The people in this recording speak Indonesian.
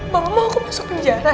mama mau aku masuk penjara